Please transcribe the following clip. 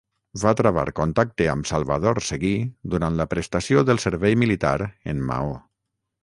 Va travar contacte amb Salvador Seguí durant la prestació del servei militar en Maó.